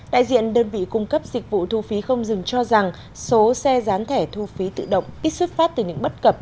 đại diện đơn vị cung cấp dịch vụ thu phí không dừng cho rằng số xe gián thẻ thu phí tự động ít xuất phát từ những bất cập